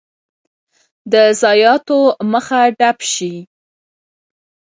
د ضایعاتو مخه ډب شي.